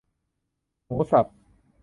หมูสับ